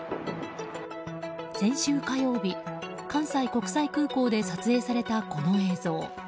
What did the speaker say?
先週火曜日、関西国際空港で撮影された、この映像。